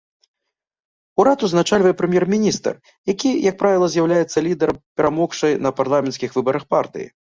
Урад узначальвае прэм'ер-міністр, які, як правіла, з'яўляецца лідарам перамогшай на парламенцкіх выбарах партыі.